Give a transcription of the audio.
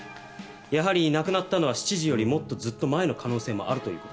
やはり亡くなったのは７時よりもっとずっと前の可能性もあるということです。